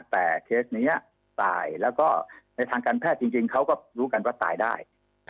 แต่เคสนี้ตายแล้วก็ในทางการแพทย์จริงเขาก็รู้กันว่าตายได้